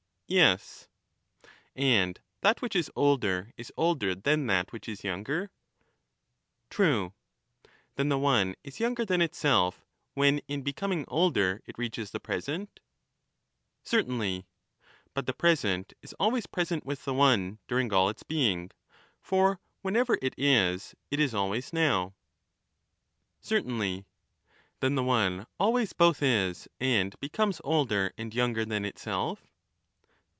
Yes. And that which is older is older than that which is younger ? True. Then the one is younger than itself, when in becoming older it reaches the present ? Certainly. But the present is always present with the one during all its being ; for whenever it is it is always now. Certainly. Then the one always both is and becomes older and younger than itself?